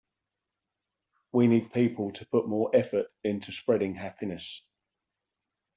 We need people to put more effort into spreading happiness.